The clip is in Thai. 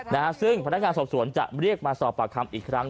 นะฮะซึ่งพนักงานสอบสวนจะเรียกมาสอบปากคำอีกครั้ง